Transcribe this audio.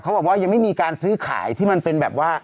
บอกว่ายังไม่มีการซื้อขายที่มันเป็นแบบว่า